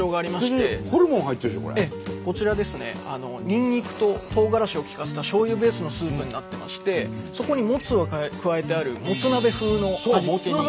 にんにくととうがらしを利かせたしょうゆベースのスープになってましてそこにもつを加えてあるもつ鍋風の味付けに。